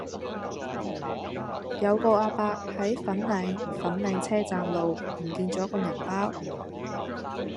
有個亞伯喺粉嶺粉嶺車站路唔見左個銀包